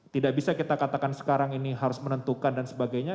tidak bisa kita katakan sekarang ini harus menentukan dan sebagainya